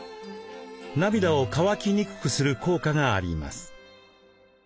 涙を乾きにくくする効果があります。